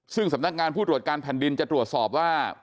ซึ่งสำนักงานผู้ตรวจการแผ่นดินจะตรวจสอบว่า